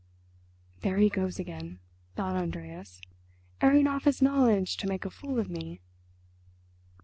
"There he goes again," thought Andreas, "airing off his knowledge to make a fool of me."